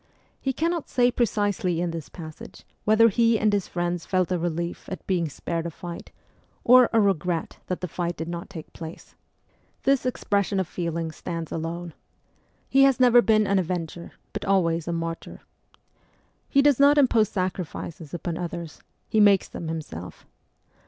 He cannot say precisely in this passage whether he and his friends felt a relief at being spared a fight, or a regret that the fight did not take place. This expression of feeling MEMOIRS OF A REVOLUTIONIST stands alone. He has never been an avenger, but always a martyr. He does not impose sacrifices upon others ; he makes them himself.